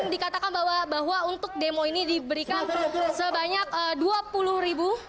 dikatakan bahwa untuk demo ini diberikan sebanyak dua puluh ribu